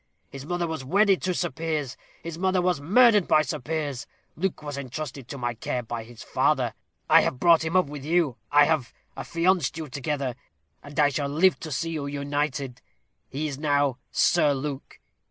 His mother was wedded to Sir Piers; his mother was murdered by Sir Piers. Luke was entrusted to my care by his father. I have brought him up with you. I have affianced you together; and I shall live to see you united. He is now Sir Luke.